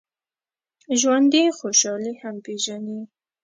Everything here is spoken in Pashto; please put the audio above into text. ژوندي خوشحالي هم پېژني